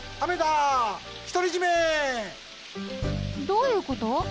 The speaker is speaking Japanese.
どういうこと？